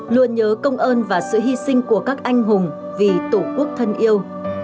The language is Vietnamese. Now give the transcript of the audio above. luôn nhớ công ơn và sự hy sinh của các anh hùng vì tổ quốc thân yêu